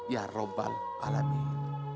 ya rabbal alamin